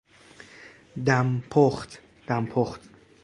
دم پخت ـ دمپخت